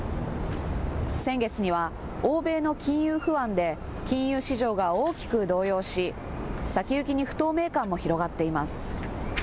先月には欧米の金融不安で金融市場が大きく動揺し先行きに不透明感も広がっています。